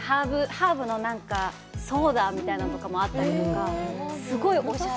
ハーブのなんかソーダみたいなのとかもあったりとか、すごい。